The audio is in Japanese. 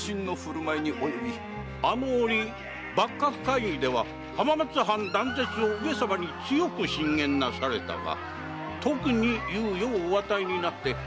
あの折幕閣会議では浜松藩断絶を上様に強く進言なされたが特に猶予を与えて回復を待たれたのじゃ。